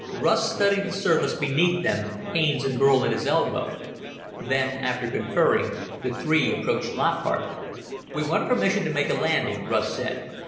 Russ studied the surface beneath them, Haines and Burl at his elbow. Then, after conferring, the three approached Lockhart. "We want permission to make a landing," Russ said.